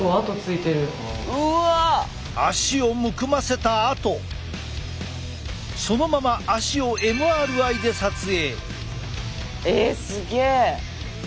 足をむくませたあとそのまま足をえすげえ！